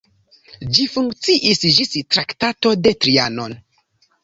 Ĝi funkciis ĝis Traktato de Trianon.